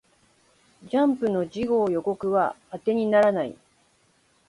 ジャンプの次号予告は当てにならない